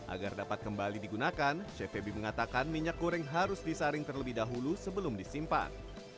agar dapat kembali digunakan chef febi mengatakan minyak goreng harus disaring terlebih dahulu sebelum disimpan